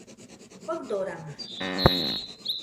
Faɨdorama